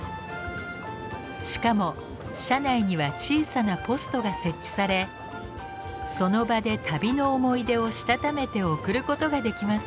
しかも車内には小さなポストが設置されその場で旅の思い出をしたためて送ることができます。